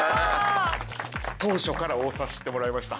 当初から推させてもらいました。